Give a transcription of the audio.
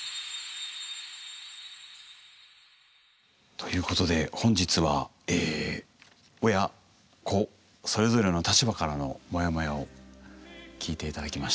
ということで本日はえ親子それぞれの立場からのモヤモヤを聞いて頂きました。